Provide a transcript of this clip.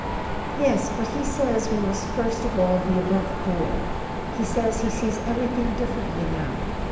"Yes. But he says we must first of all be above¬ board. He says he sees everything differently now.